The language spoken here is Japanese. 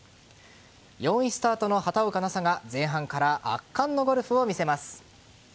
４位スタートの畑岡奈紗が前半から圧巻のゴルフを見せます。